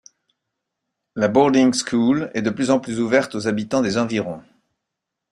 La boarding school est de plus en plus ouverte aux habitants des environs.